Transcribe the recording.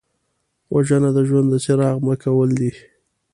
وژنه د ژوند د څراغ مړ کول دي